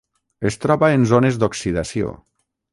Es troba en zones d'oxidació.